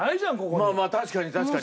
まあまあ確かに確かに。